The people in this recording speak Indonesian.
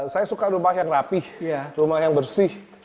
saya suka rumah yang rapih rumah yang bersih